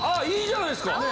いいじゃないですか！